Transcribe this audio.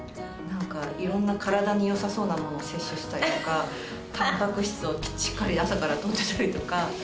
いろんな体に良さそうなものを摂取したりとかたんぱく質をしっかり朝から取ってたりとか。